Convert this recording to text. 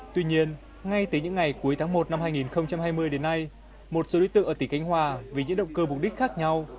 tuy nhiên ngay từ những ngày cuối tháng một năm hai nghìn hai mươi đến nay một số đối tượng ở tỉnh cánh hòa vì những động cơ mục đích khác nhau